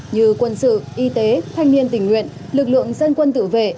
như quân sự y tế thanh niên tình nguyện lực lượng dân quân tự vệ